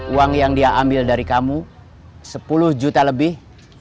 uang yang dia ambil dari kamu sepuluh juta lebih